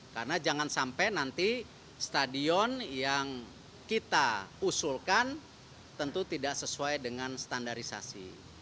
karena jangan sampai nanti stadion yang kita usulkan tentu tidak sesuai dengan standarisasi